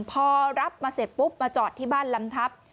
พอรับมาเสร็จปุ๊บมาจอดที่บ้านลำทับ